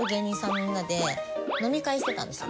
みんなで飲み会してたんですよ。